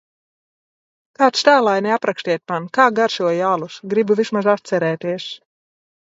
Kāds tēlaini aprakstiet man, kā garšoja alus, gribu vismaz atcerēties